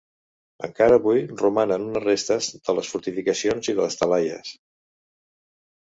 Encara avui romanen unes restes de les fortificacions i de les talaies.